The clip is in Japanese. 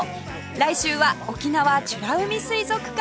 来週は沖縄美ら海水族館